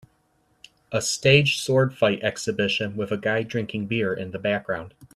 A staged sword fight exhibition with a guy drinking beer in the background.